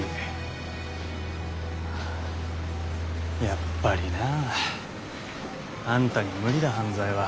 やっぱりな。あんたには無理だ犯罪は。